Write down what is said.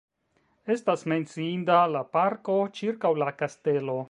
Estas menciinda la parko ĉirkaŭ la kastelo.